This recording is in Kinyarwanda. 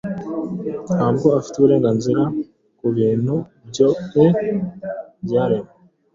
Ntabwo ufite uburenganzira kubintu byoe byaremwe,